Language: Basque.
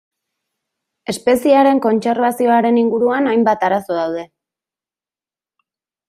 Espeziearen kontserbazioaren inguruan hainbat arazo daude.